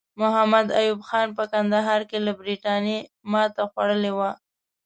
محمد ایوب خان په کندهار کې له برټانیې ماته خوړلې وه.